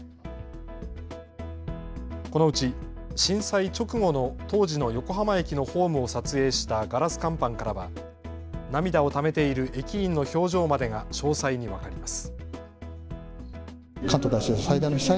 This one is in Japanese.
このうち震災直後の当時の横浜駅のホームを撮影したガラス乾板からは涙をためている駅員の表情までが詳細に分かります。